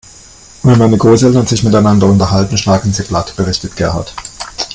"Wenn meine Großeltern sich miteinander unterhalten, schnacken sie platt", berichtet Gerhard.